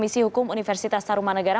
komisi hukum universitas taruman negara